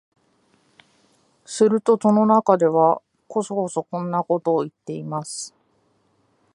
すると戸の中では、こそこそこんなことを言っています